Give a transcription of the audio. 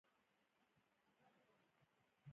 جوار پاکي کې سړی له گوتو خلاصوي.